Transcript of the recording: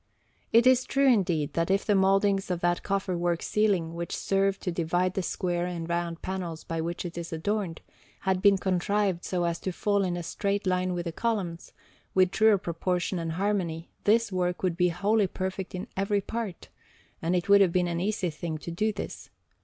It is true, indeed, that if the mouldings of that coffer work ceiling, which serve to divide the square and round panels by which it is adorned, had been contrived so as to fall in a straight line with the columns, with truer proportion and harmony, this work would be wholly perfect in every part; and it would have been an easy thing to do this.